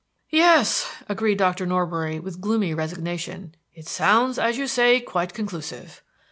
"Yes," agreed Dr. Norbury, with gloomy resignation, "it sounds, as you say, quite conclusive.